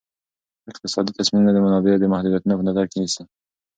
اقتصادي تصمیمونه د منابعو محدودیتونه په نظر کې نیسي.